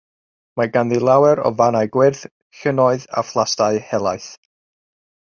Mae ganddi lawer o fannau gwyrdd, llynnoedd a phlastai helaeth.